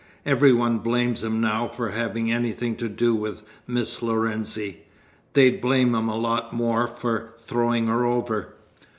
Every one blames him now for having anything to do with Miss Lorenzi. They'd blame him a lot more for throwing her over."